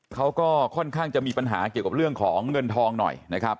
เขาก็ค่อนข้างจะมีปัญหาเกี่ยวกับเรื่องของเงินทองหน่อยนะครับ